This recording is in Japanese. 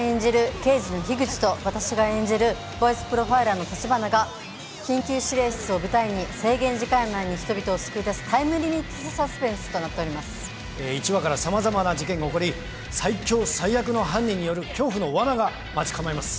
刑事の樋口と、私が演じるボイスプロファイラーの橘が、緊急指令室を舞台に、制限時間内に人々を救い出すタイムリミットサスペンスとなってお１話からさまざまな事件が起こり、最凶最悪の犯人による恐怖のわなが待ち構えます。